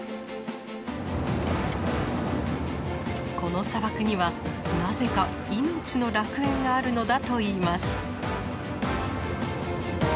この砂漠にはなぜか命の楽園があるのだといいます。